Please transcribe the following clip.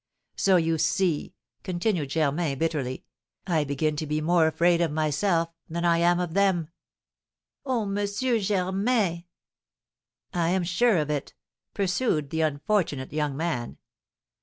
So, you see," continued Germain, bitterly, "I begin to be more afraid of myself than I am of them." "Oh, M. Germain!" "I am sure of it," pursued the unfortunate young man.